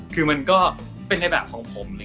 คือมันก็เป็นในแบบของผม